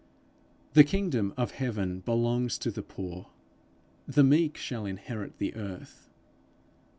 The kingdom of heaven belongs to the poor; the meek shall inherit the earth.